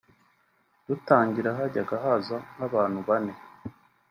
Dutangira hajyaga haza nk’ abantu bane